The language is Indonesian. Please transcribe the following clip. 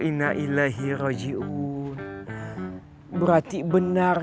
ini adalah kabar dari batin ana ya